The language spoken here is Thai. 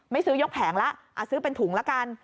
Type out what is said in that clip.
ซื้อยกแผงละซื้อเป็นถุงละกัน